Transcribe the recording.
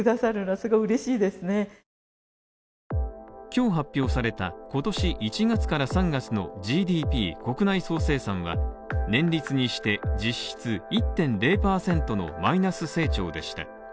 今日発表された今年１月から３月のＧＤＰ＝国内総生産は年率にして実質１．０％のマイナス成長でした。